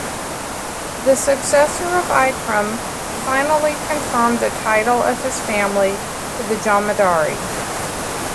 The successor of Ikram finally confirmed the title of his family to the Jamidari.